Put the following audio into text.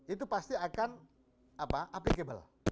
itu pasti akan applicable